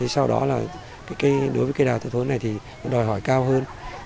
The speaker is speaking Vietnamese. sau đó là đối với cây đào thực thống này thì đòi hỏi cao hơn